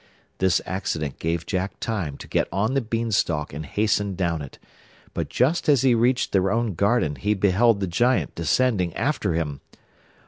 This accident gave Jack time to get on the Beanstalk and hasten down it; but just as he reached their own garden he beheld the Giant descending after him.